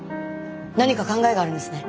何か考えがあるんですね？